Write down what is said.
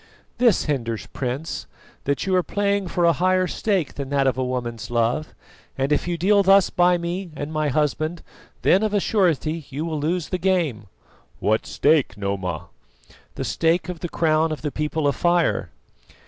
"This hinders, Prince, that you are playing for a higher stake than that of a woman's love, and if you deal thus by me and my husband, then of a surety you will lose the game." "What stake, Noma?" "The stake of the crown of the People of Fire."